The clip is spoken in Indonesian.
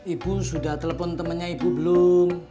ibu sudah telepon temannya ibu belum